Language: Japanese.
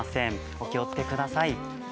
お気をつけください。